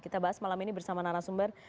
kita bahas malam ini bersama narasumber